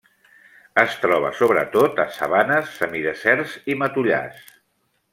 Es troba sobretot a sabanes, semideserts i matollars.